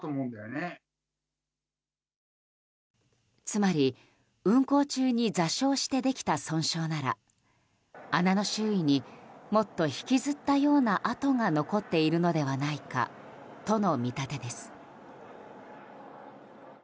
つまり運航中に座礁してできた損傷なら穴の周囲にもっと引きずったような跡が残っているのではないかとの見立てです。